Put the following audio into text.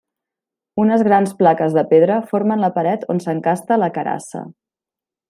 Unes grans plaques de pedra formen la paret on s'encasta la carassa.